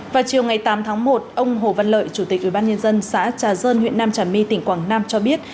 vào chiều ngày tám tháng một ông hồ văn lợi chủ tịch ubnd xã trà dơn huyện nam trà my tỉnh quảng nam cho biết